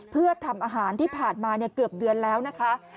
เพื่อทำอาหารที่ผ่านมาเกือบเดือนแล้วนะคะ